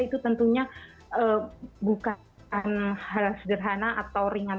itu tentunya bukan hal sederhana atau ringan